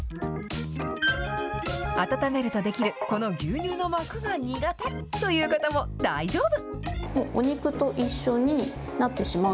温めると出来る、この牛乳の膜が苦手という方も大丈夫。